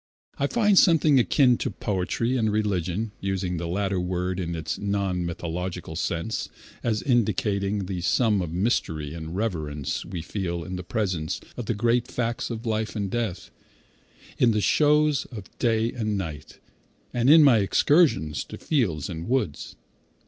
I find something akin to poetry and religion (using the latter word in its non mythological sense, as indicating the sum of mystery and reverence we feel in the presence of the great facts of life and death) in the shows of day and night, and in my excursions to fields and woods.